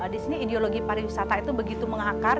di sini ideologi pariwisata itu begitu mengakar